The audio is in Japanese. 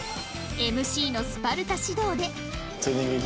ＭＣ のスパルタ指導で